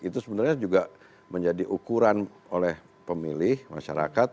itu sebenarnya juga menjadi ukuran oleh pemilih masyarakat